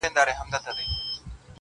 لا سر دي د نفرت د تور ښامار کوټلی نه دی,